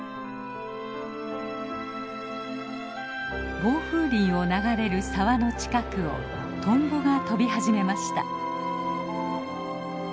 防風林を流れる沢の近くをトンボが飛び始めました。